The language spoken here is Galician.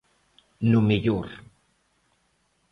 No mellor.